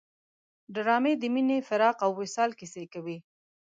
ډرامه د مینې، فراق او وصال کیسې کوي